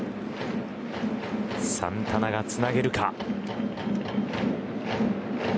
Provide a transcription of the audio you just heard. サンタナがつなげるか。